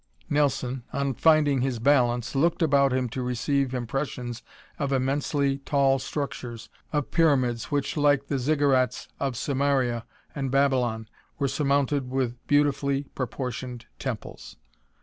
Nelson, on finding his balance, looked about him to receive impressions of immensely tall structures, of pyramids which, like the ziggurats of Sumaria, and Babylon, were surmounted with beautifully proportioned temples.